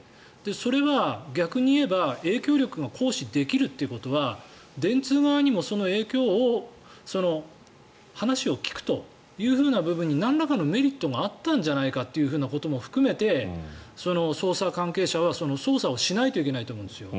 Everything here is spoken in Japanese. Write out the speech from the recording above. それは逆に言えば影響力が行使できるということは電通側にも、その影響話を聞くという部分になんらかのメリットがあったんじゃないかということも含めて捜査関係者は捜査をしないといけないと思うんですよ。